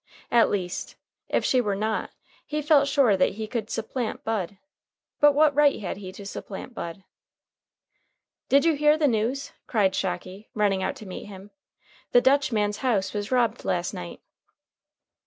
At least, if she were not, he felt sure that he could supplant Bud. But what right had he to supplant Bud? "Did you hear the news?" cried Shocky, running out to meet him. "The Dutchman's house was robbed last night."